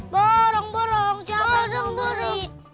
burung burung siapa yang mau beli